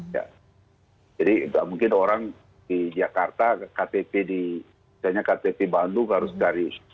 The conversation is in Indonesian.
jadi tidak mungkin orang di jakarta kkp di bandung harus dari